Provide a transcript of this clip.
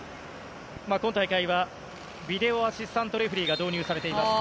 今大会はビデオアシスタントレフェリーが導入されています。